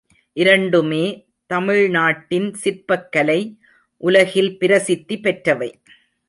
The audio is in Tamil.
இரண்டுமே தமிழ்நாட்டின் சிற்பக்கலை உலகில் பிரசித்தி பெற்றவை.